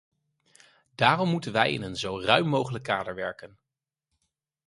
Daarom moeten wij in een zo ruim mogelijk kader werken.